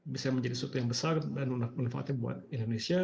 bisa menjadi sesuatu yang besar dan manfaatnya buat indonesia